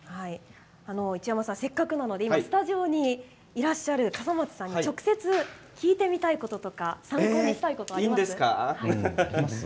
市山さん、せっかくなので今スタジオにいらっしゃる笠松さんに直接、聞いてみたいこととかいいんですか？